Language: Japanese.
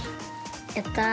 やった！